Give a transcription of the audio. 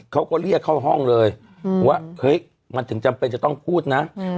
เขาก็เรียกเข้าห้องเลยว่าเฮ้ยมันถึงจำเป็นจะต้องพูดนะ